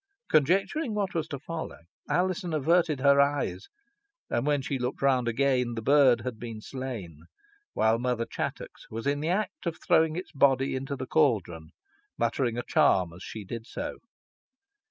Conjecturing what was to follow, Alizon averted her eyes, and when she looked round again the bird had been slain, while Mother Chattox was in the act of throwing its body into the caldron, muttering a charm as she did so.